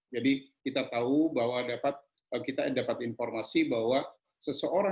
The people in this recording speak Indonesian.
jadi kita tahu bahwa dapat kita dapat informasi bahwa